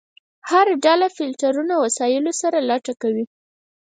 هر ډله فلټرونو وسایلو سره لټه کوي.